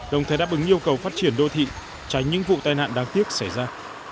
đồng thời đáp ứng yêu cầu phát triển đô thị tránh những vụ tai nạn đáng tiếc xảy ra